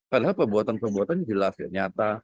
padahal perbuatan perbuatannya jelas nyata